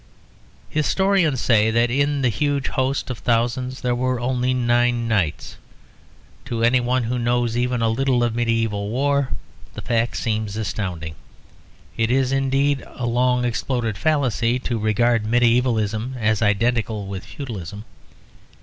Historians say that in that huge host of thousands there were only nine knights. To any one who knows even a little of medieval war the fact seems astounding. It is indeed a long exploded fallacy to regard medievalism as identical with feudalism.